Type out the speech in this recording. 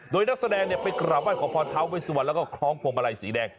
โดยนักแสดงไปกราบไห้ขอพรท้าเวสวันแล้วก็คล้องพวงมาลัยสีแดง